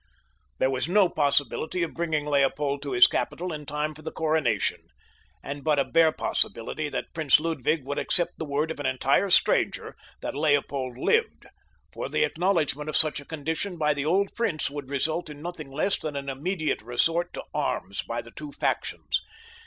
There was no possibility of bringing Leopold to his capital in time for the coronation, and but a bare possibility that Prince Ludwig would accept the word of an entire stranger that Leopold lived, for the acknowledgment of such a condition by the old prince could result in nothing less than an immediate resort to arms by the two factions.